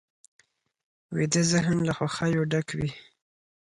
ویده ذهن له خوښیو ډک وي